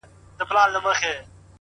رنګ په وینو د خپل ورور او د تربور دی!!